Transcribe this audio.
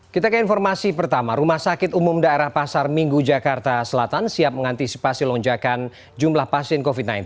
kita ke informasi pertama rumah sakit umum daerah pasar minggu jakarta selatan siap mengantisipasi lonjakan jumlah pasien covid sembilan belas